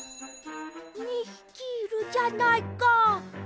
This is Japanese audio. ２ひきいるじゃないか。